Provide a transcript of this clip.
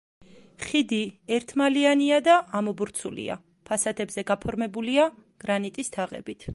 ხიდი ერთმალიანია და ამობურცულია, ფასადებზე გაფორმებულია გრანიტის თაღებით.